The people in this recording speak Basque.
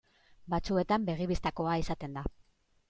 Batzuetan begi bistakoa izaten da.